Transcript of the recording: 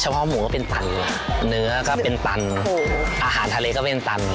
เพาะหมูก็เป็นตันเนื้อก็เป็นตันอาหารทะเลก็เป็นตัน